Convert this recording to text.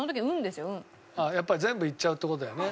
ああやっぱり全部いっちゃうって事だよね。